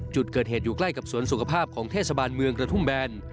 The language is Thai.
จุดเกิดเหตุอยู่ใกล้กับสวนสุขภาพของเทศบาลเมืองกระทุ่มแบน